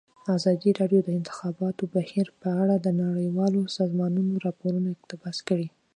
ازادي راډیو د د انتخاباتو بهیر په اړه د نړیوالو سازمانونو راپورونه اقتباس کړي.